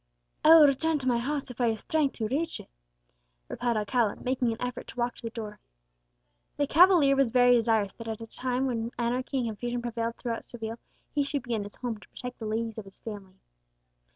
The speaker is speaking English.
"I will return to my house, if I have strength to reach it," replied Alcala, making an effort to walk to the door. The cavalier was very desirous that at a time when anarchy and confusion prevailed throughout Seville, he should be in his home to protect the ladies of his family.